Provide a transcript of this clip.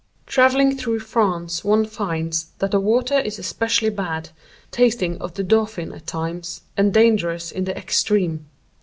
Traveling through France one finds that the water is especially bad, tasting of the Dauphin at times, and dangerous in the extreme.